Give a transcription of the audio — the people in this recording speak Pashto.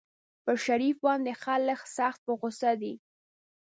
پر شريف باندې خلک سخت په غوسه دي.